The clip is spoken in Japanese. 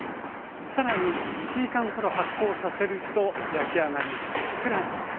更に１時間ほど発酵させると焼き上がりふっくらに。